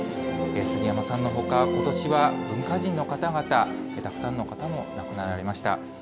すぎやまさんのほか、ことしは文化人の方々、たくさんの方も亡くなられました。